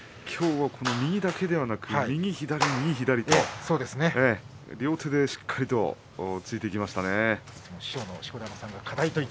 きょうは右だけではなく右左、右左と両手でしっかりと突いていきましたね。